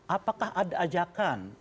apakah ada ajakan